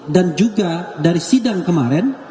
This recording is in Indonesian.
dan juga dari sidang kemarin